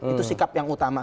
itu sikap yang utama